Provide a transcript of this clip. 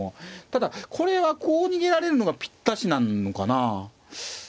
ただこれはこう逃げられるのがぴったしなのかなあ。